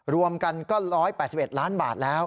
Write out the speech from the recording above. รวมกันก็๑๘๑ล้านบาทแล้ว